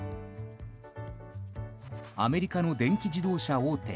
アメリカの電気自動車大手